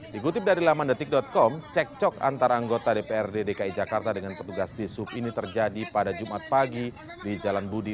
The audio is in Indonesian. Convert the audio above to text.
digutip dari laman detik com cekcok antara anggota dprd dki jakarta dengan petugas disub ini terjadi pada jumat pagi di jalan budi